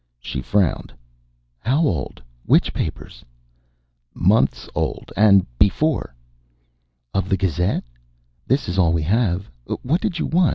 She frowned. "How old? Which papers?" "Months old. And before." "Of the Gazette? This is all we have. What did you want?